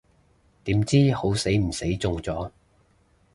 點知好死唔死中咗